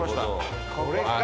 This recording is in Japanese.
これか。